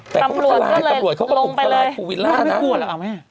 แต่ก็ปล่อยเขาก็บุกทะลายภูวิล่านะ